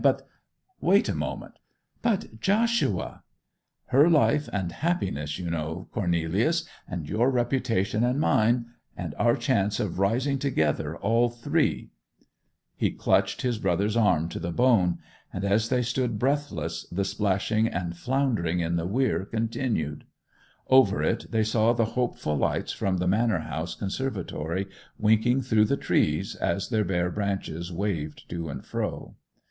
But—wait a moment—' 'But, Joshua!' 'Her life and happiness, you know—Cornelius—and your reputation and mine—and our chance of rising together, all three—' He clutched his brother's arm to the bone; and as they stood breathless the splashing and floundering in the weir continued; over it they saw the hopeful lights from the manor house conservatory winking through the trees as their bare branches waved to and fro.